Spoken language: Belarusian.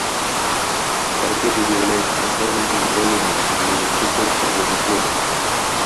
Тарпеды з'яўляюцца асноўным узбраеннем многіх тыпаў падводных лодак.